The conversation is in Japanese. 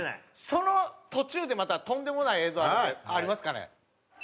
その途中でまたとんでもない映像あるのでありますかね？